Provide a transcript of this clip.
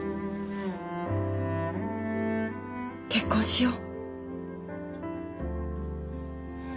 結婚しよう。